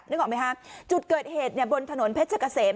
ออกไหมคะจุดเกิดเหตุเนี่ยบนถนนเพชรเกษม